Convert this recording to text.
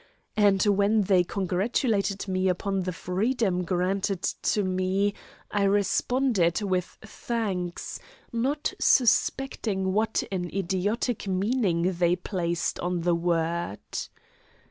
And when they congratulated me upon the freedom granted to me I responded with thanks, not suspecting what an idiotic meaning they placed on the word.